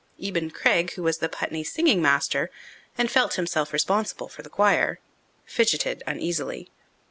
Eben Craig, who was the Putney singing master and felt himself responsible for the choir, fidgeted uneasily.